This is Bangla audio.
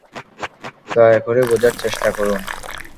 দয়া করে বোঝার চেষ্টা করুন।